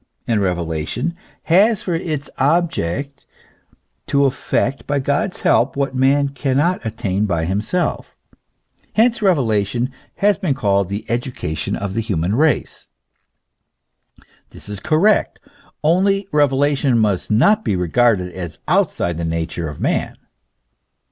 And revelation has for its object to effect by God's help, what man cannot attain by himself. Hence, reve lation has been called the education of the human race. This is correct ; only, revelation must not be regarded as outside the nature of man.